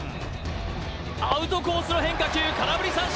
アウトコースの変化球空振り三振！